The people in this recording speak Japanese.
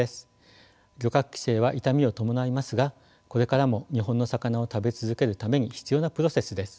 漁獲規制は痛みを伴いますがこれからも日本の魚を食べ続けるために必要なプロセスです。